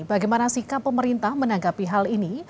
bagaimana sikap pemerintah menanggapi hal ini